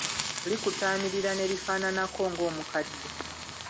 Likutaamirira ne lifaanaanako ng'omukadde.